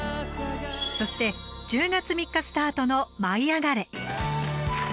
そして、１０月３日スタートの「舞いあがれ！」。